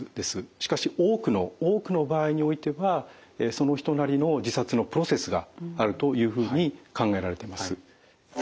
しかし多くの場合においてはその人なりの自殺のプロセスがあるというふうに考えられてます。